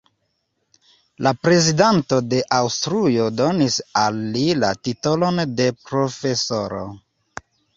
La Prezidanto de Aŭstrujo donis al li la titolon de "profesoro".